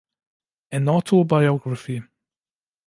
An Autobiography".